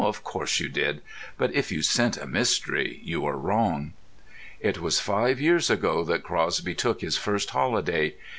Of course you did. But if you scent a mystery you are wrong. It was five years ago that Crosby took his first holiday.